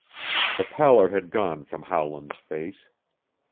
The pallor had gone from Howland's face.